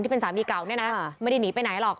เป็นสามีเก่าเนี่ยนะไม่ได้หนีไปไหนหรอก